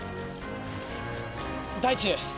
大地。